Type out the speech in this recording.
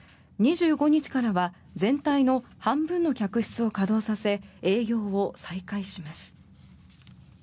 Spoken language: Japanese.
２５日からは全体の半分の客室を稼働させ営業を再開します。